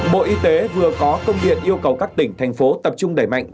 bộ y tế vừa có công điện yêu cầu các tỉnh thành phố tập trung đẩy mạnh